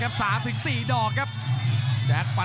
กรรมการเตือนทั้งคู่ครับ๖๖กิโลกรัม